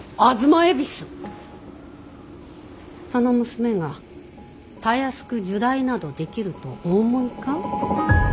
その娘がたやすく入内などできるとお思いか。